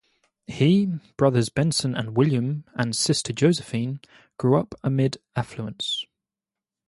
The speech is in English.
He, brothers Benson and William, and sister Josephine, grew-up amid affluence.